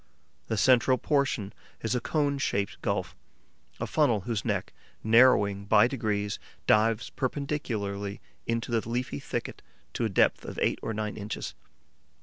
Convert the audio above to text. The central portion is a cone shaped gulf, a funnel whose neck, narrowing by degrees, dives perpendicularly into the leafy thicket to a depth of eight or nine inches.